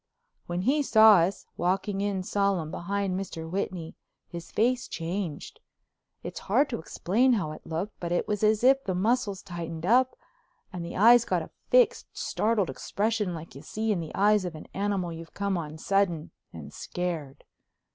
When he saw us, walking in solemn behind Mr. Whitney, his face changed. It's hard to explain how it looked, but it was as if the muscles tightened up and the eyes got a fixed startled expression like you see in the eyes of an animal you've come on sudden and scared.